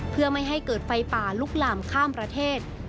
เพื่อไม่ให้เกิดไฟป่าลุกหลามข้ามประเทศ